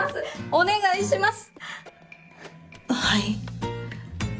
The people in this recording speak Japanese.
お願いします！